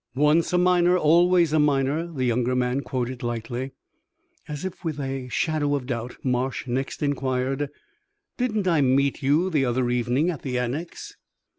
"Once a miner always a miner," the younger man quoted, lightly. As if with a shadow of doubt, Marsh next inquired: "Didn't I meet you the other evening at the Annex?"